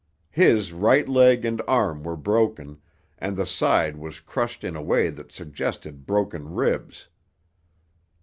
His right leg and arm were broken, and the side was crushed in a way that suggested broken ribs.